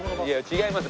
違います。